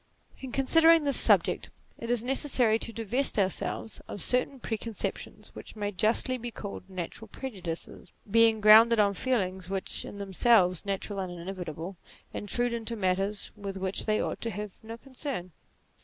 In considering this subject it is necessary to divest ourselves of certain preconceptions which may justly be called natural prejudices, being grounded on feelings which, in themselves natural and inevitable, intrude into matters with which they ought to have no concern.